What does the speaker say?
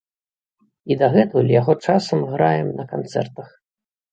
І дагэтуль яго часам граем на канцэртах.